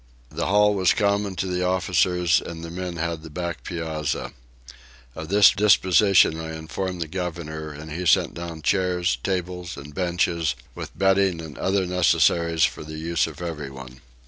The hall was common to the officers and the men had the back piazza. Of this disposition I informed the governor, and he sent down chairs, tables and benches, with bedding and other necessaries for the use of everyone.